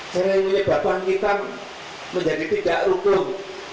sering menyebabkan kita menjadi tidak rukuh